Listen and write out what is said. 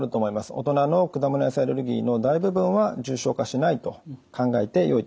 大人の果物・野菜アレルギーの大部分は重症化しないと考えてよいと思います。